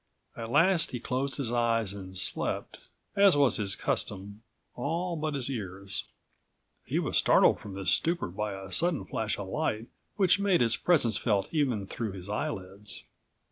At last he closed his eyes and slept, as was his custom, all but his ears. He was startled from this stupor by a sudden flash of light which made its presence felt even through his eyelids.